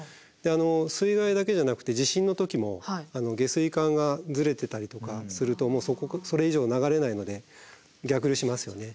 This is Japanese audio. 水害だけじゃなくて地震の時も下水管がずれてたりとかするとそれ以上流れないので逆流しますよね。